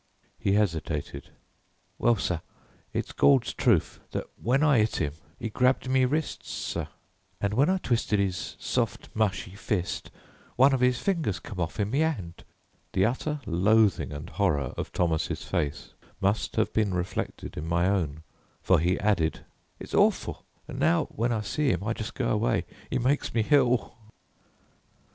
He hesitated. "Well, sir, it's Gawd's truth that when I 'it 'im 'e grabbed me wrists, sir, and when I twisted 'is soft, mushy fist one of 'is fingers come off in me 'and." The utter loathing and horror of Thomas' face must have been reflected in my own, for he added: "It's orful, an' now when I see 'im I just go away. 'E maikes me hill."